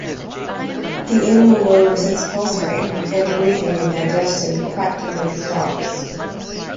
The animal lowers its pulse rate and breathing, and digestion practically stops.